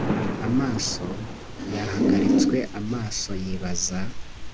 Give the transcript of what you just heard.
Amaso yahagaritswe amaso yibaza